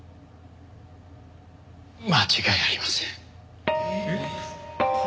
間違いありません。